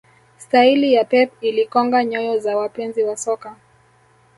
staili ya pep ilikonga nyoyo za wapenzi wa soka